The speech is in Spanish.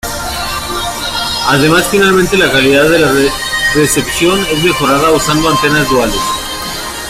Además, finalmente la calidad de la recepción es mejorada usando antenas duales.